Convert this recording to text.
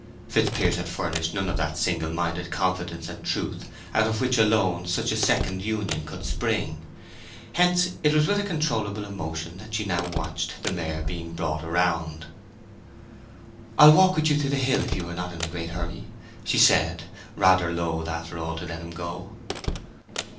Fitzpiers had furnished none of that single minded confidence and truth out of which alone such a second union could spring; hence it was with a controllable emotion that she now watched the mare brought round. "I'll walk with you to the hill if you are not in a great hurry," she said, rather loath, after all, to let him go.